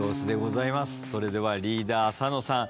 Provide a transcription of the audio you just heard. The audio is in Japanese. それではリーダー浅野さん